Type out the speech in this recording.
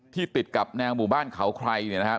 ติดกับแนวหมู่บ้านเขาใครเนี่ยนะครับ